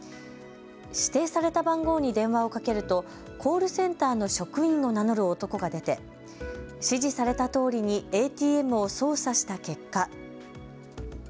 指定された番号に電話をかけるとコールセンターの職員を名乗る男が出て、指示されたとおりにＡＴＭを操作した結果。